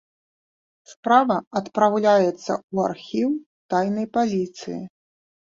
Справа адпраўляецца ў архіў тайнай паліцыі.